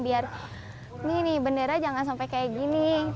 biar nih bendera jangan sampai kayak gini